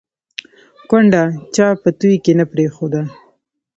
ـ کونډه چا په توى کې نه پرېښوده